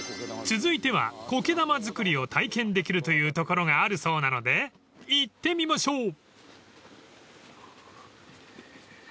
［続いては苔玉作りを体験できるというところがあるそうなので行ってみましょう！］